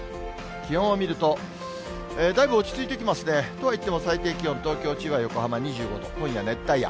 気温を見ると、だいぶ落ち着いてきますね。とはいっても最低気温、東京、千葉、横浜２５度、今夜、熱帯夜。